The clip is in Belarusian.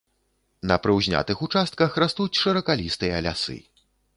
На прыўзнятых участках растуць шыракалістыя лясы.